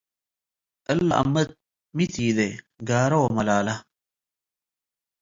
እለ አመት ሚ ቲዴ - ጋረ ወመላላ